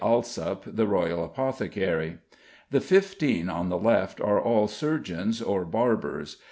Alsop, the Royal apothecary. The fifteen on the left are all surgeons or barbers.